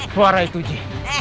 suara itu ji